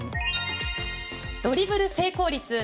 ドリブル成功率です。